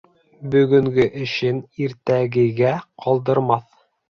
Бөгөнгө эшен иртәгәгә ҡалдырмаҫ.